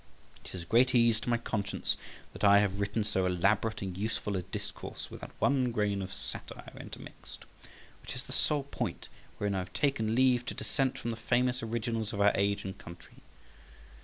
It is a great ease to my conscience that I have written so elaborate and useful a discourse without one grain of satire intermixed, which is the sole point wherein I have taken leave to dissent from the famous originals of our age and country.